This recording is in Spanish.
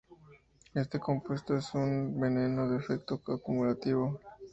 Este compuesto es un veneno de efecto acumulativo.